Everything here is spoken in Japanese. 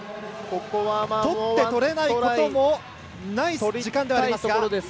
取って取れないこともない時間ではあります。